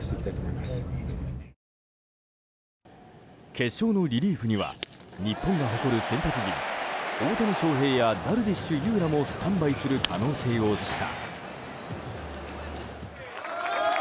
決勝のリリーフには日本が誇る先発陣大谷翔平やダルビッシュ有らもスタンバイする可能性を示唆。